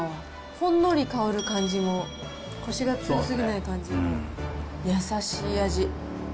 ほんのり香る感じもこしが強すぎない感じも優しい味。